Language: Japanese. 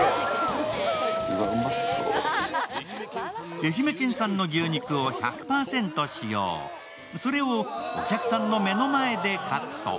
愛媛県産の牛肉を１００％使用、それをお客さんの目の前でカット。